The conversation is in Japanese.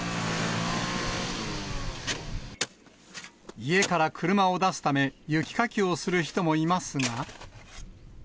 家から車を出すため、雪かきをする人もいますが。